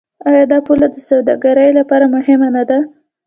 آیا دا پوله د سوداګرۍ لپاره مهمه نه ده؟